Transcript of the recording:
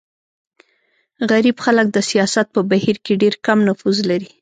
غریب خلک د سیاست په بهیر کې ډېر کم نفوذ لري.